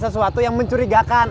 sesuatu yang mencurigakan